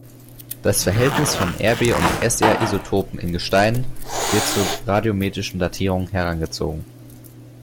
Das Verhältnis von Rb- und Sr-Isotopen in Gesteinen wird zur radiometrischen Datierung herangezogen.